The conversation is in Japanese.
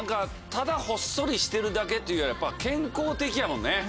ただほっそりしてるだけっていうより健康的やもんね。